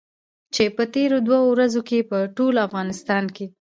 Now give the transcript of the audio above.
چې په تېرو دوو ورځو کې په ټول افغانستان کې.